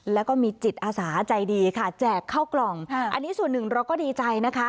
แล้วก็มีจิตอาสาใจดีค่ะแจกเข้ากล่องอันนี้ส่วนหนึ่งเราก็ดีใจนะคะ